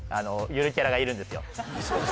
ゆるキャラがいるんですよ